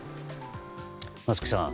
松木さん